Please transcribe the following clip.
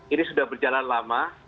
ini sudah berjalan lama